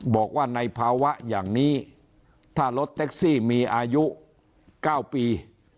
บอกว่าในภาวะอย่างนี้ถ้ารถแท็กซี่มีอายุ๙ปี